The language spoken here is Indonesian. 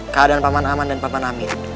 keadaan paman aman dan papan amin